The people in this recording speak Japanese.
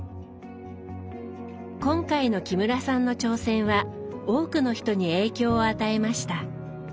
今回の木村さんの挑戦は多くの人に影響を与えました。